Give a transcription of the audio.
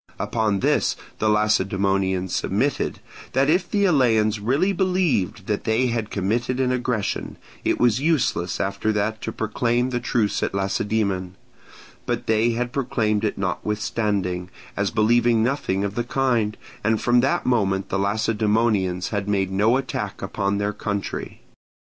Upon this the Lacedaemonians submitted, that if the Eleans really believed that they had committed an aggression, it was useless after that to proclaim the truce at Lacedaemon; but they had proclaimed it notwithstanding, as believing nothing of the kind, and from that moment the Lacedaemonians had made no attack upon their country.